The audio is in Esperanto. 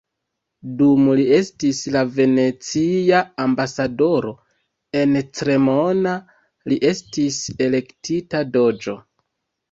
Dum li estis la venecia ambasadoro en Cremona, li estis elektita "doĝo".